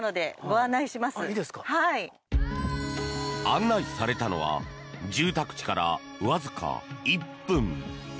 案内されたのは住宅地からわずか１分。